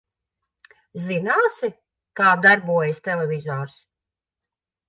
Zināsi, kā darbojas televizors?